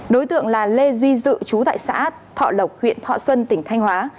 đối tượng là lê duy dự chú tại xã thọ lộc huyện thọ xuân tỉnh thanh hóa